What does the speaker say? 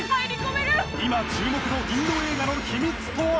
今注目のインド映画の秘密とは！？